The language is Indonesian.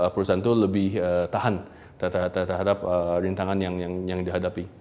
perusahaan itu lebih tahan terhadap rintangan yang dihadapi